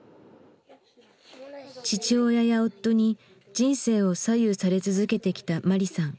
父親や夫に人生を左右され続けてきたマリさん。